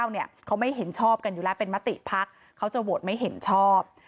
เขาไม่เห็นชอบกันอยู่แล้วเป็นมติภักดิ์เขาจะโหวตไม่เห็นชอบ